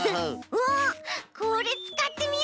うおこれつかってみよ。